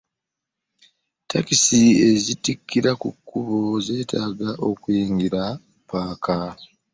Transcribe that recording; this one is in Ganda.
Takisi ze mmotoka ezitikira ku kkubo zetaaga okuyingira paaka.